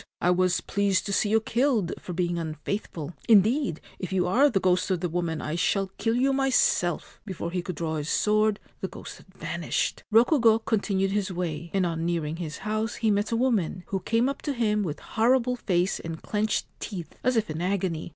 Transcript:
I was pleased to see you killed for being unfaithful. Indeed, if you are the ghost of the woman 1 shall kill you myself !' Before he could draw his sword the ghost had vanished. Rokugo continued his way, and on nearing his house he met a woman, who came up to him with horrible face and clenched teeth, as if in agony.